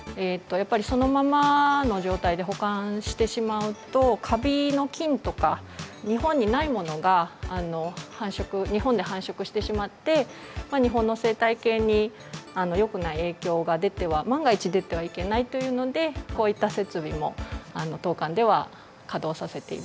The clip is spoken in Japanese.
やっぱりそのままの状態で保管してしまうとカビの菌とか日本にないものが繁殖日本で繁殖してしまって日本の生態系によくない影響が出ては万が一出てはいけないっていうのでこういった設備も当館では稼働させています。